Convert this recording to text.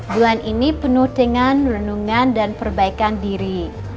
bulan ini penuh dengan renungan dan perbaikan diri